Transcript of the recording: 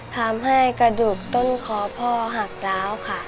ทำให้กระดูกต้นคอพ่อหักร้าวค่ะ